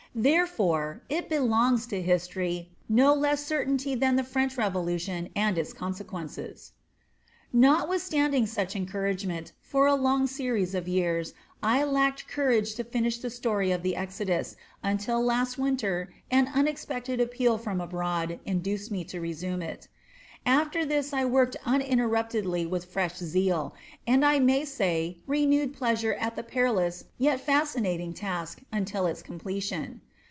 Therefore it belongs to history no less certainty than the French Revolution and its consequences." Notwithstanding such encouragement, for a long series of years I lacked courage to finish the story of the Exodus until last winter an unexpected appeal from abroad induced me to resume it. After this I worked uninterruptedly with fresh zeal and I may say renewed pleasure at the perilous yet fascinating task until its completion.